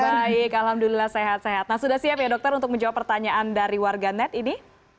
baik alhamdulillah sehat sehat nah sudah siap ya dokter untuk menjawab pertanyaan dari warga net ini